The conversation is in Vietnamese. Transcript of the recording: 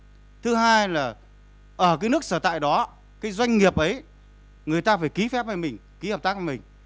một là ở cái nước sở tại đó cái doanh nghiệp ấy người ta phải ký phép với mình ký hợp tác với mình